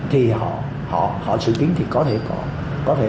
thì họ xử kiến thì có thể